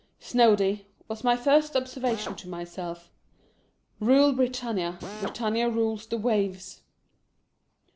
"Snoady," was my first observation to myself, " Eule Britannia, Britannia rules the waves!"